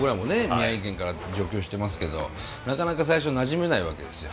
宮城県から上京してますけどなかなか最初なじめないわけですよ。